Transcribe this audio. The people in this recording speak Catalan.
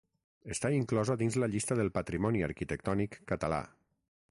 Està inclosa dins la llista del patrimoni arquitectònic català.